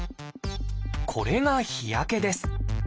これが日焼けです。